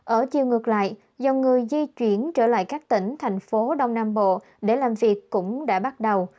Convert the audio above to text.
ở chiều ngược lại dòng người di chuyển trở lại các tỉnh thành phố đông nam bộ để làm việc cũng đã bắt đầu